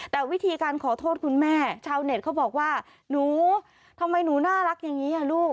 แต่วิธีการขอโทษคุณแม่ชาวเน็ตเขาบอกว่าหนูทำไมหนูน่ารักอย่างนี้ลูก